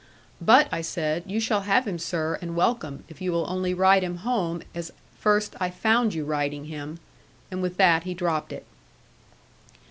'But,' I said, 'you shall have him, sir, and welcome, if you will only ride him home as first I found you riding him.' And with that he dropped it.